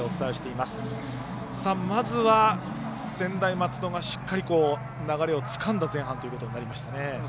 まずは専大松戸がしっかり、流れをつかんだ前半となりましたね。